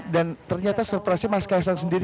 dan ternyata serpasi mas kaisang sendiri